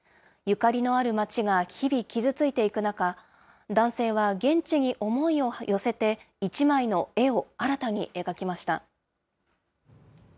ゆかりのある街が日々傷ついていく中、男性は現地に思いを寄せて、１枚の絵を新たに描きました。